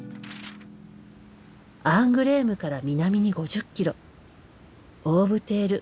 アングレームから南に５０キロ。